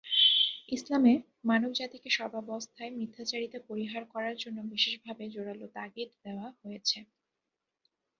ইসলামে মানবজাতিকে সর্বাবস্থায় মিথ্যাচারিতা পরিহার করার জন্য বিশেষভাবে জোরালো তাগিদ দেওয়া হয়েছে।